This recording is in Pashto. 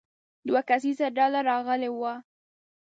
دوه کسیزه ډله راغلې وه.